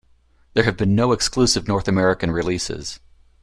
There have been no exclusive North American releases.